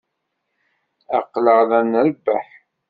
Aql-aɣ la nrebbeḥ.